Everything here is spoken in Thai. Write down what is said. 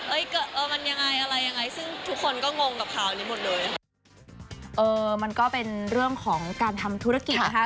เออมันก็เป็นเรื่องของการทำธุรกิจนะคะ